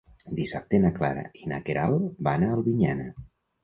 Dissabte na Clara i na Queralt van a Albinyana.